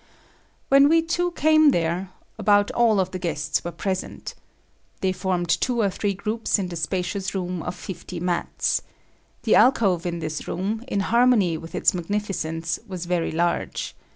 When we two came there, about all of the guests were present. They formed two or three groups in the spacious room of fifty mats. The alcove in this room, in harmony with its magnificence, was very large.